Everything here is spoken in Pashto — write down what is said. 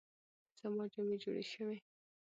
زما جامې جوړې شوې؟